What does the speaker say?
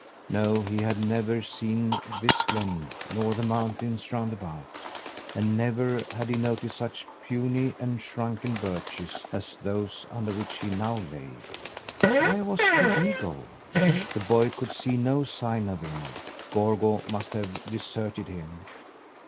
No, he had never seen this glen nor the mountains round about; and never had he noticed such puny and shrunken birches as those under which he now lay. Where was the eagle? The boy could see no sign of him. Gorgo must have deserted him.